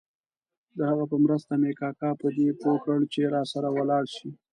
د هغه په مرسته مې کاکا په دې پوه کړ چې راسره ولاړ شي.